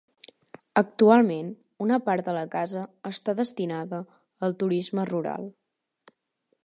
Actualment, una part de la casa està destinada al turisme rural.